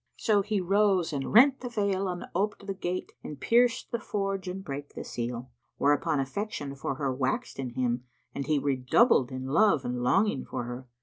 So he rose and rent the veil and oped the gate and pierced the forge[FN#74] and brake the seal, whereupon affection for her waxed in him and he redoubled in love and longing for her.